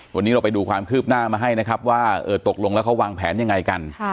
วันนี้เราไปดูความคืบหน้ามาให้นะครับว่าตกลงแล้วเขาวางแผนยังไงกัน